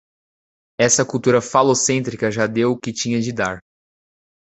Esssa cultura falocêntrica já deu o que tinha de dar